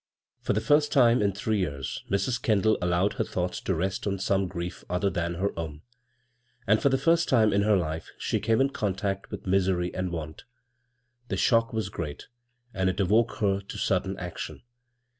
For the first time in three years Mrs. Kendall allowed her thoughts to rest on some grief other than her own ; and for the first time in her life she came in contact with misery and want The shock was great, and it awoke her to sudden action.